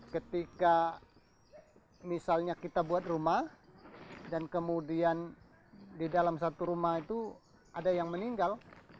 ketika misalnya kita buat rumah dan kemudian di dalam satu rumah itu ada yang meninggal